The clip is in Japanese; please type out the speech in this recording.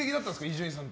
伊集院さん。